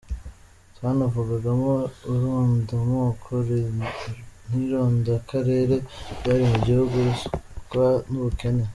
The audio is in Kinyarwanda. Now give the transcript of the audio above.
Twanavugagamo irondamoko n’irondakarere byari mu gihugu, ruswa n’ubukene.